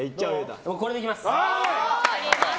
これで行きます！